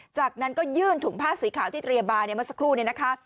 จากนั้นก็ยื่นถุงผ้าสีขาวที่เตรียบรามาสักครู่นะคะ